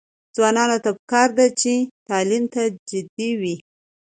ځوانانو ته پکار ده چې، تعلیم ته جدي وي.